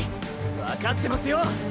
わかってますよォ！！